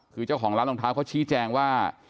คือเจ้าของร้านรองเท้าเขาชี้แจงว่า